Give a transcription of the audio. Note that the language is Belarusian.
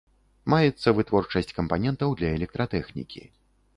Маецца вытворчасць кампанентаў для электратэхнікі.